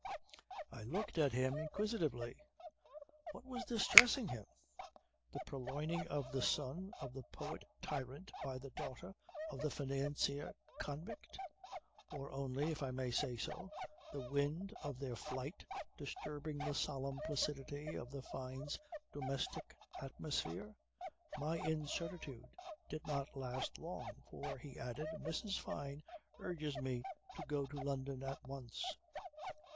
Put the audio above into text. I looked at him inquisitively. What was distressing him? The purloining of the son of the poet tyrant by the daughter of the financier convict. Or only, if I may say so, the wind of their flight disturbing the solemn placidity of the Fynes' domestic atmosphere. My incertitude did not last long, for he added: "Mrs. Fyne urges me to go to London at once."